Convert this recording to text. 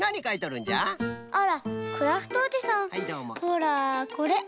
ほらこれ。